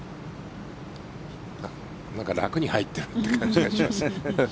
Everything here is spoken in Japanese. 楽に入っている感じがします。